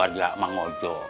kalau buat gak mengojo